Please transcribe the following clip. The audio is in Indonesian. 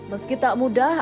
meski tak mudah